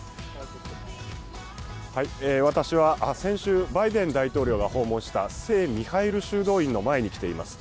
私は先週、バイデン大統領が訪問した聖ミハイル修道院の前にいます。